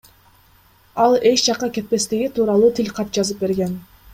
Ал эч жакка кетпестиги тууралуу тил кат жазып берген.